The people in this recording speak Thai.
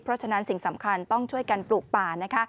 เพราะฉะนั้นสิ่งสำคัญต้องช่วยกันปลูกป่านะคะ